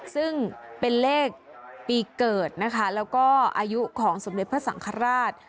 ซึ่งเป็นเลขปีเกิดนะคะแล้วก็อายุของสมเด็จพระสังฆราช